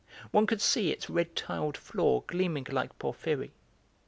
One could see its red tiled floor gleaming like porphyry.